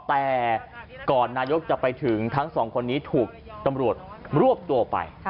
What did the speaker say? แต่ก่อนนายกจะไปถึงทั้งสองคนนี้ถูกตำรวจรวบตัวไป